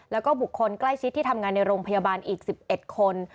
แล้วก็บุคคลใกล้ชิดที่ทำงานในโรงพยาบาลอีก๑๑คน